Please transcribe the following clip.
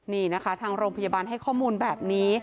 นี่นะคะทางโรงพยาบาลให้ข้อมูลแบบนี้